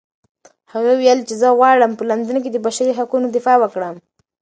هغې وویل چې زه غواړم په لندن کې د بشري حقونو دفاع وکړم.